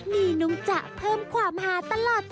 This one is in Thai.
นี่น้องจะเพิ่มความหาตลอด